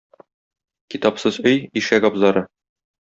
Китапсыз өй — ишәк абзары.